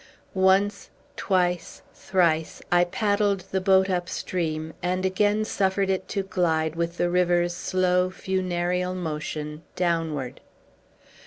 Once, twice, thrice, I paddled the boat upstream, and again suffered it to glide, with the river's slow, funereal motion, downward.